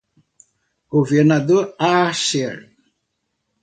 Governador Archer